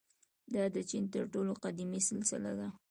• دا د چین تر ټولو قدیمي سلسله ده.